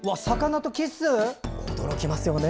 驚きますよね。